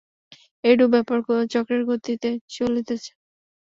এইরূপ ব্যাপার চক্রের গতিতে চলিতেছে।